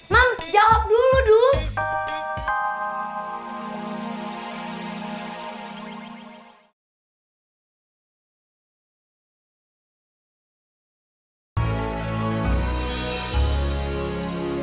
mam jawab dulu dud